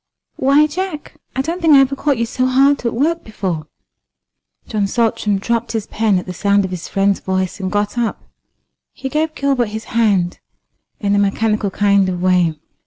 "Why, Jack, I don't think I ever caught you so hard at work before." John Saltram dropped his pen at the sound of his friend's voice and got up. He gave Gilbert his hand in a mechanical kind of way.